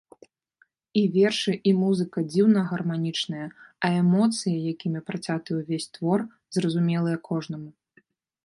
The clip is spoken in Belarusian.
І вершы, і музыка дзіўна гарманічныя, а эмоцыі, якімі працяты ўвесь твор, зразумелыя кожнаму.